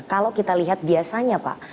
kalau kita lihat biasanya pak